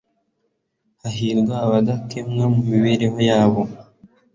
Hahirwa abadakemwa mu mibereho yabo